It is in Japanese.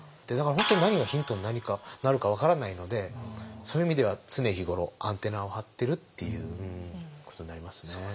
だから本当何がヒントになるか分からないのでそういう意味では常日頃アンテナを張ってるっていうことになりますね。